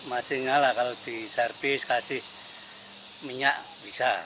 masih nyala kalau diservis kasih minyak bisa